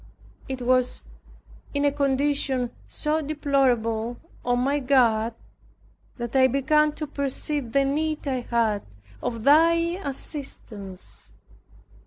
It was in a condition so deplorable, O my God, that I began to perceive the need I had of Thy assistance.